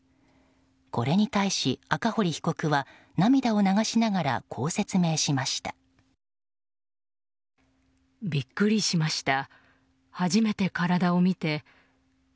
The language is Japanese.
これに対し、赤堀被告は涙を流しながらこう説明しました。